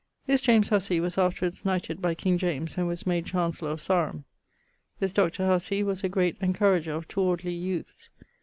This James Hussee was afterwards knighted by king James and was made Chancellour of Sarum. This Dr. Hussee was a great encourager of towardly youths.